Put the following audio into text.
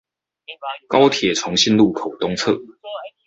高鐵重信路口東側